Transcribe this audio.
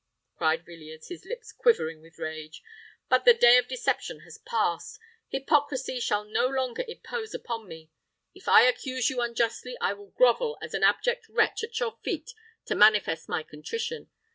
cried Villiers, his lips quivering with rage. "But the day of deception has passed—hypocrisy shall no longer impose upon me. If I accuse you unjustly, I will grovel as an abject wretch at your feet to manifest my contrition.